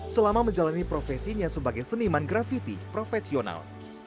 selama menjalani profesinya sebagai seniman grafiti profesional